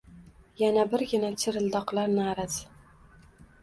Yana birgina chirildoqlar na’rasi